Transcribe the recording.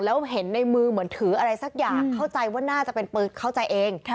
แล้วเห็นในมือเหมือนถืออะไรสักอย่างเข้าใจว่าน่าจะเป็นปืนเข้าใจเอง